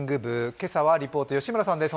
今朝はリポート、吉村さんです。